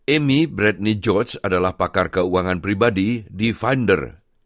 amy bradney george adalah pakar keuangan pribadi di finder